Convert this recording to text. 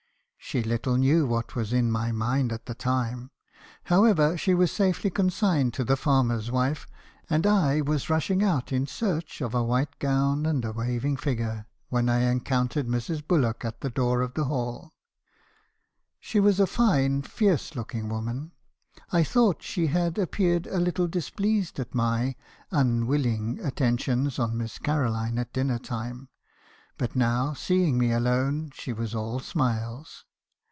She little knew what was in my mind at the time. However, she was safely consigned to the farmer's wife , and I was rushing out in search of a white gown and a waving figure, when I encountered Mrs. Bullock at the 17* 260 m. haerison's confessions. door of the Hall. She was a fine , fierce looking woman. I thought she had appeared a little displeased at my (unwilling) attentions to Miss Caroline at dinner time ; but now, seeing me alone , she was all smiles.